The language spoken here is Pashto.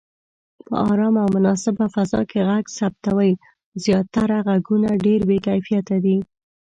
په آرامه او مناسبه فضا کې غږ ثبتوئ. زياتره غږونه ډېر بې کیفیته دي.